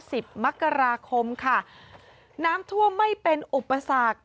สิบมกราคมค่ะน้ำท่วมไม่เป็นอุปสรรค